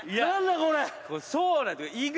これ。